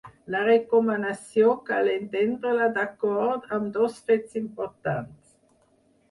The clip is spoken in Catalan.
La recomanació cal entendre-la d’acord amb dos fets importants.